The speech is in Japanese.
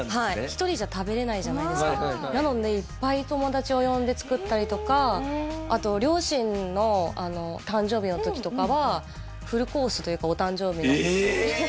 １人じゃ食べれないじゃないですかなのでいっぱい友達を呼んで作ったりとかあと両親の誕生日の時とかはフルコースというかお誕生日のええ！へえ！